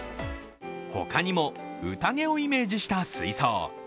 他にも宴をイメージした水槽。